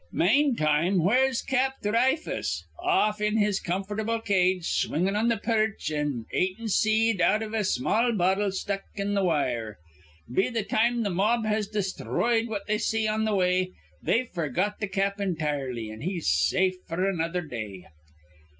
Manetime where's Cap Dhry fuss? Off in his comfortable cage, swingin' on th' perch an' atin' seed out iv a small bottle stuck in th' wire. Be th' time th' mob has desthroyed what they see on th' way, they've f'rgot th' Cap intirely; an' he's safe f'r another day.